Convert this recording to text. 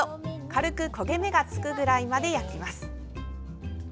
軽く焦げ目がつくぐらいまで焼きます。